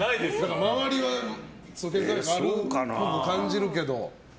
周りはあると感じるけど。